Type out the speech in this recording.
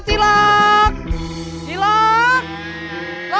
terima kasih pak